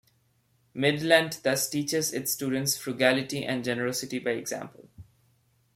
Midland thus teaches its students frugality and generosity by example.